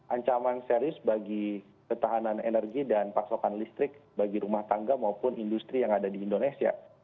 ancaman serius bagi ketahanan energi dan pasokan listrik bagi rumah tangga maupun industri yang ada di indonesia